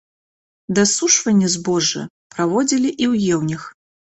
Дасушванне збожжа праводзілі і ў ёўнях.